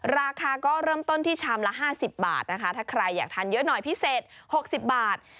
ราคาก็เริ่มต้นที่ชามละ๕๐บาทนะคะถ้าใครอยากทานเยอะหน่อยพิเศษ๖๐บาท